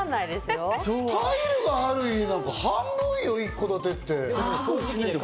タイルがある家なんて半分よ、一戸建てって。